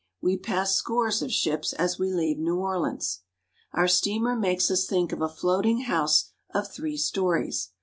We pass scores of ships as we leave New Orleans. Our steamer makes us think of a floating house of three stories.